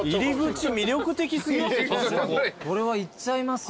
これはいっちゃいますよ。